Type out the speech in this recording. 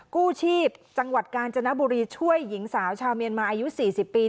กู้ชีพจังหวัดกาญจนบุรีช่วยหญิงสาวชาวเมียนมาอายุ๔๐ปี